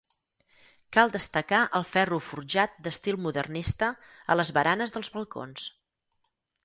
Cal destacar el ferro forjat d'estil modernista a les baranes dels balcons.